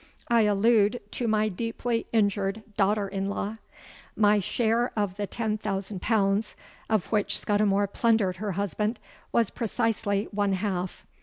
I allude to my deeply injured daughter in law. My share of the ten thousand pounds, of which Scudimore plundered her husband, was precisely one half.